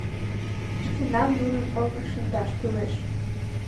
— Шкенам нунын олмыш шындаш кӱлеш.